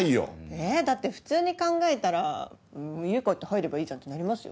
えだって普通に考えたら家帰って入ればいいじゃんってなりますよ？